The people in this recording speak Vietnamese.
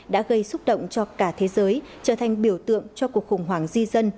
đã gây xúc động cho cả thế giới trở thành biểu tượng cho cuộc khủng hoảng di dân